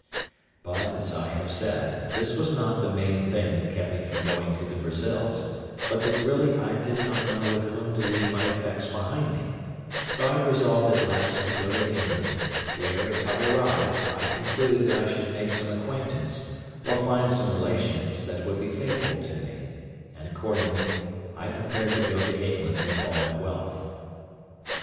But, as I have said, this was not the main thing that kept me from going to the Brazils, but that really I did not know with whom to leave my effects behind me; so I resolved at last to go to England, where, if I arrived, I concluded that I should make some acquaintance, or find some relations, that would be faithful to me; and, accordingly, I prepared to go to England with all my wealth.